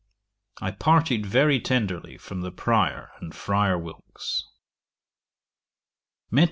I parted very tenderly from the Prior and Friar Wilkes.